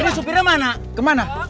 ini supirnya mana kemana